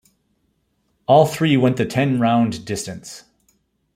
All three went the ten-round distance.